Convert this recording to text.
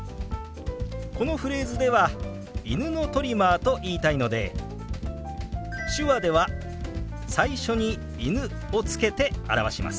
このフレーズでは「犬のトリマー」と言いたいので手話では最初に「犬」をつけて表します。